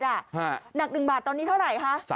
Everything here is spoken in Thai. หนักหนึ่งบาทตอนนี้เท่าไหร่ฮะ